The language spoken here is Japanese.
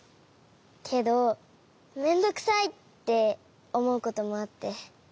けどめんどくさいっておもうこともあって。